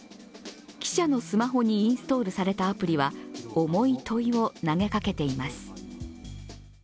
記者のスマホにインストールされたアプリは重い問いを投げかけています。